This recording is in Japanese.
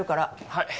はい。